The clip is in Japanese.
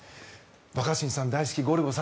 若新さん大好き「ゴルゴ１３」。